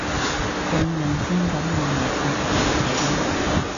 佢問先噉我咪答後佢咯